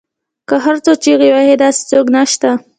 که هر څو چیغې وهي داسې څوک نشته